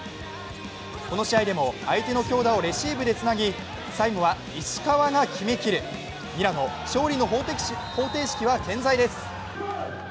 この試合でも相手の強打をレシーブでつなぎ最後は石川が決めきる、ミラノ勝利の方程式は健在です。